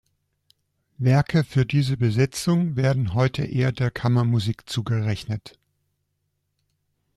Werke für diese Besetzung werden heute eher der Kammermusik zugerechnet.